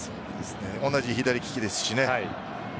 同じ左利きですしね。